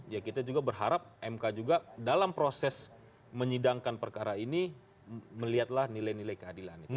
ya kita juga berharap mk juga dalam proses menyidangkan perkara ini melihatlah nilai nilai keadilan itu